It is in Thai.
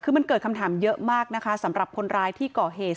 คือมันเกิดคำถามเยอะมากนะคะสำหรับคนร้ายที่ก่อเหตุ